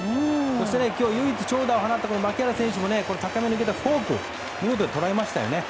そして今日唯一長打を放った牧原選手も高めに抜けたフォークを見事に捉えましたよね。